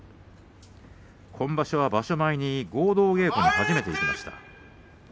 今場所は場所前に合同稽古に初めて行きました。